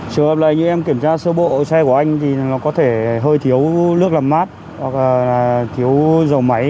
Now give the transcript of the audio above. trường hợp lại như em kiểm tra xe bộ xe của anh thì nó có thể hơi thiếu nước làm mát hoặc là thiếu dầu máy